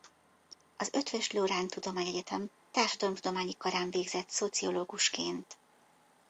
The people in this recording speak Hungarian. Az Eötvös Loránd Tudományegyetem Társadalomtudományi Karán végzett szociológusként.